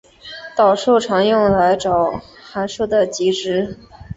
导数常用来找函数的极值。